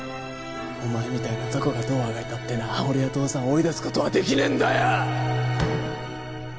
お前みたいな雑魚がどうあがいたってな俺や父さんを追い出す事はできねえんだよ！